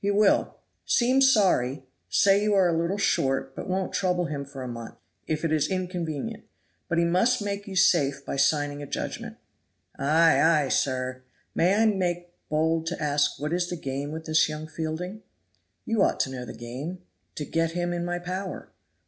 "He will. Seem sorry; say you are a little short, but won't trouble him for a month, if it is inconvenient; but he must make you safe by signing a judgment." "Ay! ay! Sir, may I make bold to ask what is the game with this young Fielding?" "You ought to know the game to get him in my power."